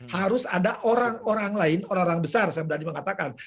harus ada orang orang lain orang orang besar saya berani mengatakan